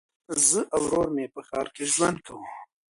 زه او ورور مي په ښار کي ژوند کوو.